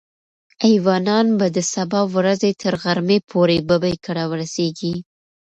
ایوانان به د سبا ورځې تر غرمې پورې ببۍ کره ورسېږي.